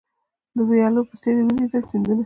د ویالو په څېر یې ولیدل سیندونه